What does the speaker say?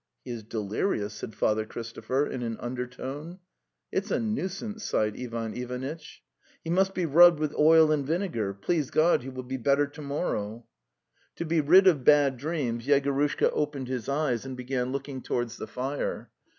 'He is delirious," said Father Christopher in an undertone. '"Tt's a nuisance!" sighed Ivan Ivanitch. "" He must be rubbed with oil and vinegar. Please God, he will be better to morrow."' To be rid of bad dreams, Yegorushka opened his eyes and began looking towards the fire.